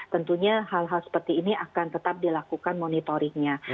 tentunya hal hal seperti ini akan tetap dilakukan monitoringnya